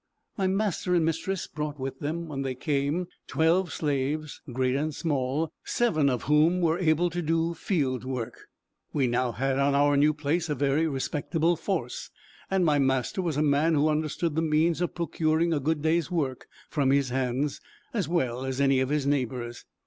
My master and mistress brought with them when they came twelve slaves, great and small, seven of whom were able to do field work. We now had on our new place a very respectable force; and my master was a man who understood the means of procuring a good day's work from his hands, as well as any of his neighbors.